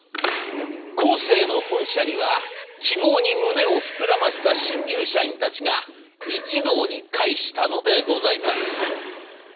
コーセーの本社には希望に胸を膨らませた新入社員たちが一堂に会したのでございます。